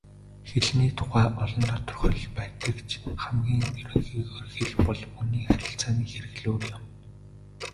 Хэлний тухай олон тодорхойлолт байдаг ч хамгийн ерөнхийгөөр хэл бол хүний харилцааны хэрэглүүр юм.